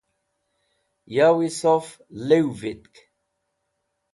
yowi sof lew vitk